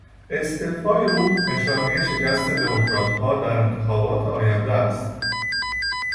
استعفای او نشانهی شکست دموکراتها در انتخابات آینده است.